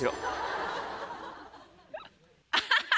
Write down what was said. アハハハハ。